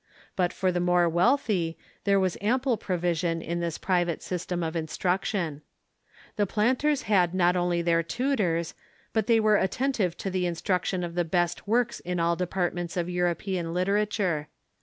But for the more wealthy there was ample provision in this private system of instruction. The jjlanters had not only their tutors, but they were attentive to the introduction of the best works in all departments of Euro pean literature.